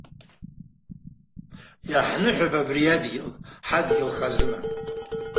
Иаҳныҳәап абри адгьыл, ҳадгьыл хазына!